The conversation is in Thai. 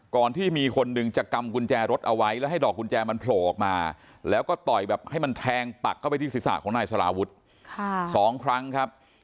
ก่อนที่มีคนหนึ่งจะกำกุญแจรถเอาไว้แล้วให้ดอกกุญแจมันโผล่ออกมาแล้วก็ต่อยแบบให้มันแทงปักเข้าไปที่ศีรษะของนายสารวุฒิสองครั้งครับ